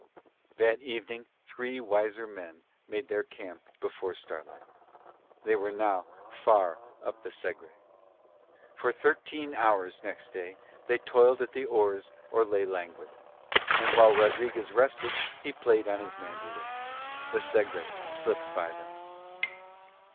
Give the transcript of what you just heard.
That evening three wiser men made their camp before starlight. They were now far up the Segre. For thirteen hours next day they toiled at the oars or lay languid. And while Rodriguez rested he played on his mandolin. The Segre slipped by them.